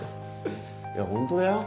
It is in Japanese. いやホントだよ。